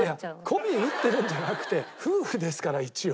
媚び売ってるんじゃなくて夫婦ですから一応。